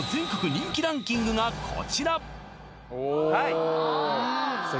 人気ランキングがこちらあっ